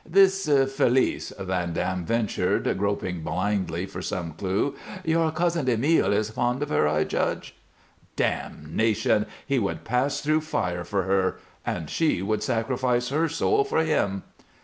"This Félice," Van Dam ventured, groping blindly for some clue, "your cousin Emile is fond of her, I judge." "Damnation! He would pass through fire for her. And she would sacrifice her soul for him."